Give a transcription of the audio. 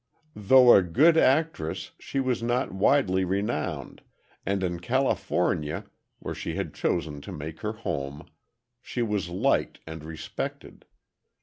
Though a good actress, she was not widely renowned, and in California, where she had chosen to make her home, she was liked and respected.